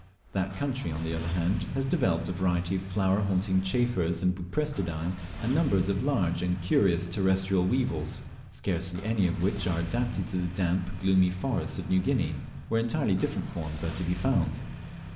That country, on the other hand, has developed a variety of flower haunting Chafers and Buprestidae, and numbers of large and curious terrestrial Weevils, scarcely any of which are adapted to the damp gloomy forests of New Guinea, where entirely different forms are to be found.